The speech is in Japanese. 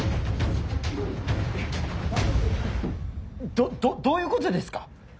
どどどういうことですか？